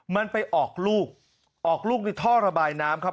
มันไปออกลูกออกลูกในท่อระบายน้ำครับ